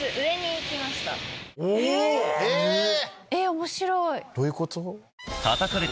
面白い。